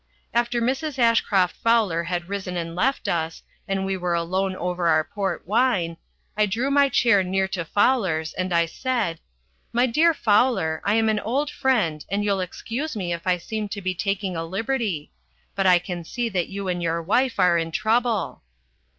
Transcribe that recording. After Mrs. Ashcroft Fowler had risen and left us, and we were alone over our port wine, I drew my chair near to Fowler's and I said, "My dear Fowler, I'm an old friend and you'll excuse me if I seem to be taking a liberty. But I can see that you and your wife are in trouble."